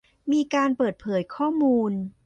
มีการเปิดเผยข้อมูล